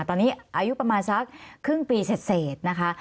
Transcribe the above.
ตอนนี้อายุประมาณสักครึ่งปีเสร็จนะคะ